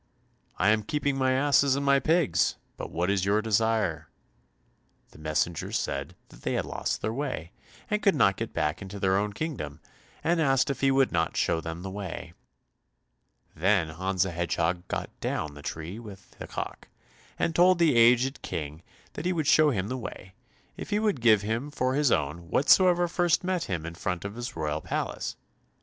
"I am keeping my asses and my pigs; but what is your desire?" The messenger said that they had lost their way, and could not get back into their own kingdom, and asked if he would not show them the way. Then Hans the Hedgehog got down the tree with the cock, and told the aged King that he would show him the way, if he would give him for his own whatsoever first met him in front of his royal palace.